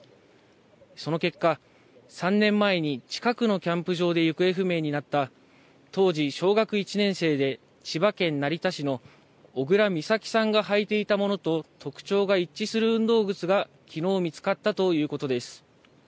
その結果、３年前に近くのキャンプ場で行方不明になった、当時小学１年生で、千葉県成田市の小倉美咲さんが履いていたものと特徴が一致する運動靴が、きのう見つかったということです。